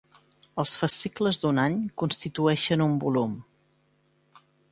Els fascicles d'un any constitueixen un volum.